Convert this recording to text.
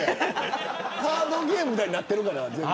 カードゲームみたいになってるから。